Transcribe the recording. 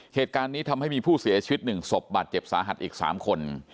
เหตุการณ์นี้ทำให้มีผู้เสียชีวิต๑ศพบาดเจ็บสาหัสอีก๓คน